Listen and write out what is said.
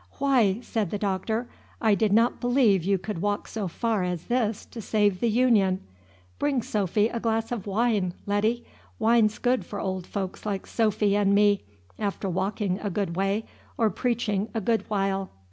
"Why," said the Doctor, "I did not believe you could walk so far as this to save the Union. Bring Sophy a glass of wine, Letty. Wine's good for old folks like Sophy and me, after walking a good way, or preaching a good while."